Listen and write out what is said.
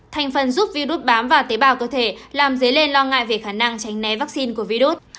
thành phần giúp virus bám vào tế bào cơ thể làm dấy lên lo ngại về khả năng tránh né vaccine của virus